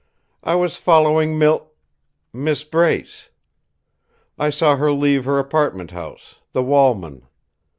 I was following Mil Miss Brace. I saw her leave her apartment house, the Walman.